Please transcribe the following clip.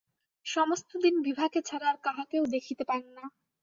সমস্ত দিন বিভাকে ছাড়া আর কাহাকেও দেখিতে পান না।